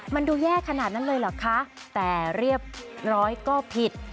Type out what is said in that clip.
มันดูแย่ขนาดนั้นเลยเหรอคะแต่เรียบร้อยก็ผิด